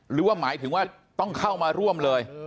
หรือว่าหมายถึงว่าต้องเข้ามาร่วมเลย